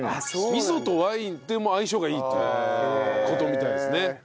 味噌とワイン相性がいいという事みたいですね。